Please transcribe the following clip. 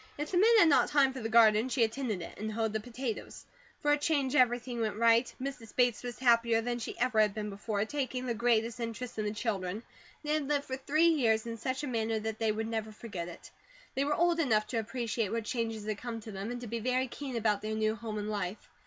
If the men had not time for the garden she attended it, and hoed the potatoes. For a change, everything went right. Mrs. Bates was happier than she ever had been before, taking the greatest interest in the children. They had lived for three years in such a manner that they would never forget it. They were old enough to appreciate what changes had come to them, and to be very keen about their new home and life.